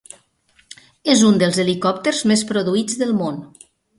És un dels helicòpters més produïts del món.